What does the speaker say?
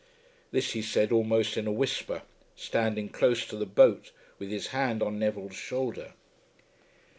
This he said, almost in a whisper, standing close to the boat, with his hand on Neville's shoulder.